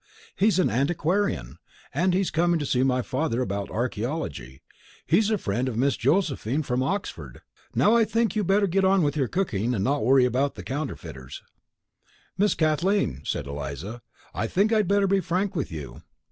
He's an antiquarian, and he's coming to see my father about archaeology. He's a friend of Miss Josephine, from Oxford. Now I think you'd better get on with your cooking and not worry about counterfeiters." "Miss Kathleen," said Eliza, "I think I'd better be frank with you.